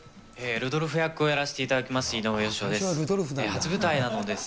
ルドルフ役をやらせていただきます、井上芳雄です。